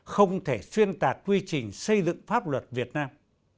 không thể xuyên tạc quy trình xây dựng pháp luật việt nam